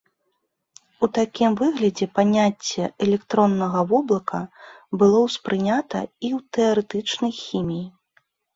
У такім выглядзе паняцце электроннага воблака было ўспрынята і ў тэарэтычнай хіміі.